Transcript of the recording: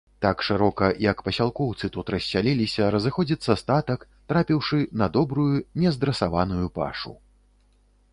Так шырока, як пасялкоўцы тут рассяліліся, разыходзіцца статак, трапіўшы на добрую, не здрасаваную пашу.